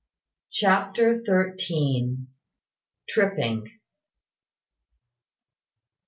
CHAPTER THIRTEEN. TRIPPING.